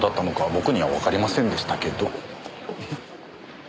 僕にはわかりませんでしたけど。